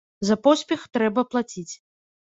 За поспех трэба плаціць.